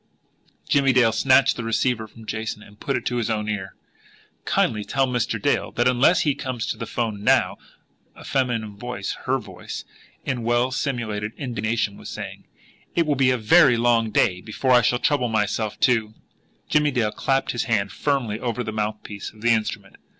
Jimmie Dale snatched the receiver from Jason, and put it to his own ear. "Kindly tell Mr. Dale that unless he comes to the 'phone now," a feminine voice, her voice, in well simulated indignation, was saying, "it will be a very long day before I shall trouble myself to " Jimmie Dale clapped his hand firmly over the mouthpiece of the instrument.